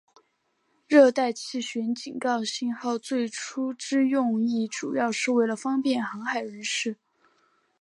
热带气旋警告信号最初之用意主要是为了方便航海人士。